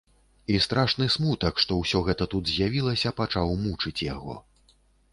І страшны смутак, што ўсё гэта тут з'явілася, пачаў мучыць яго.